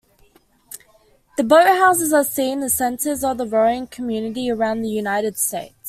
The boathouses are seen as centers of the rowing community around the United States.